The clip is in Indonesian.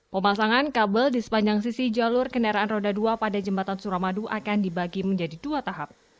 pemasangan kabel di sepanjang sisi jalur kendaraan roda dua pada jembatan suramadu akan dibagi menjadi dua tahap